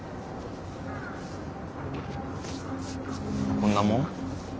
こんなもん？